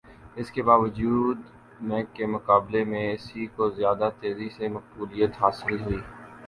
اس کے باوجود میک کے مقابلے میں اسی کو زیادہ تیزی سے مقبولیت حاصل ہوئی